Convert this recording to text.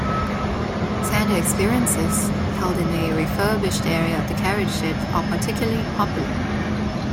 Santa experiences, held in a refurbished area of the carriage shed are particularly popular.